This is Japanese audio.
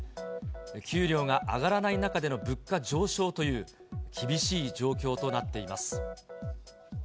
給料が上がらない中での物価上昇という、厳しい状況となっています。